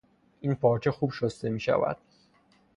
این پارچه خوب شسته میشود.